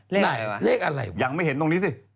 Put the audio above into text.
ไหนเลขอะไรยังไม่เห็นตรงนี้สิ